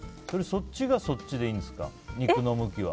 そっちがそっちでいいんですか？